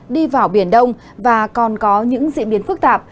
đi vào biển đông và còn có những diễn biến phức tạp